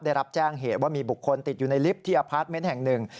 ได้รับแจ้งเหตุว่ามีบุคคลติดอยู่ในลิฟต์ที่อพาร์ทเมนต์แห่งหนึ่ง